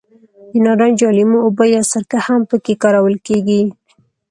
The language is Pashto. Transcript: د نارنج یا لیمو اوبه یا سرکه هم په کې کارول کېږي.